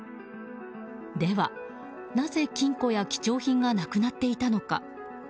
では、なぜ金庫や貴重品がなくなっていたのか。